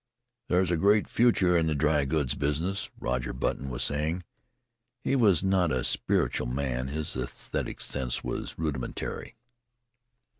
"There's a great future in the dry goods business," Roger Button was saying. He was not a spiritual man his aesthetic sense was rudimentary.